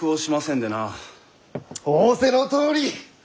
仰せのとおり！